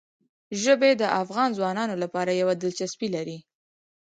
ژبې د افغان ځوانانو لپاره یوه دلچسپي لري.